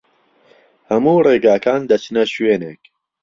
هەموو ڕێگاکان دەچنە شوێنێک.